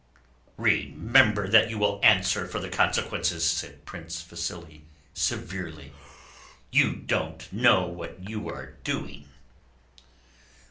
"Remember that you will answer for the consequences," said Prince Vasíli severely. "You don't know what you are doing."